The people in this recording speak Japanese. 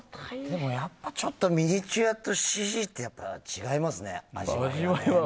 やっぱりちょっとミニチュアとＣＧって違いますね、味わいが。